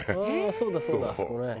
そうだそうだ。あそこね。